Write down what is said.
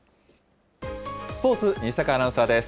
スポーツ、西阪アナウンサーです。